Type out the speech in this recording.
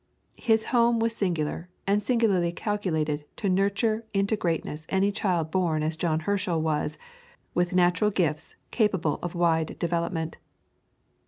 His home was singular, and singularly calculated to nurture into greatness any child born as John Herschel was with natural gifts, capable of wide development.